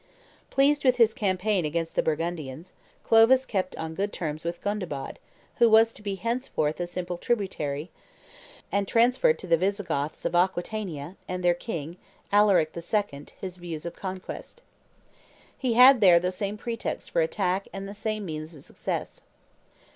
Pleased with his campaign against the Burgundians, Clovis kept on good terms with Gondebaud, who was to be henceforth a simple tributary, and transferred to the Visigoths of Aquitania, and their king, Alaric II., his views of conquest. He had there the same pretexts for attack and the same means of success.